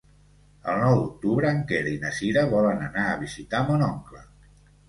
El nou d'octubre en Quer i na Cira volen anar a visitar mon oncle.